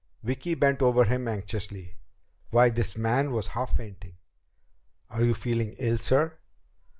Vicki bent over him anxiously. Why, this man was half fainting! "Are you feeling ill, sir?"